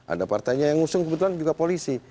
ada partainya yang ngusung kebetulan juga polisi